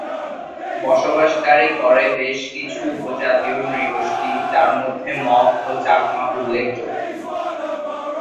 বসবাসকারী করে বেশ কিছু উপজাতীয় নৃগোষ্ঠী যার মধ্যে মগ ও চাকমা উল্লেখযোগ্য।